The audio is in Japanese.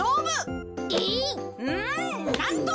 んなんと！